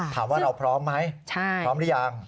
ถามว่าเราพร้อมไหมพร้อมหรือยัง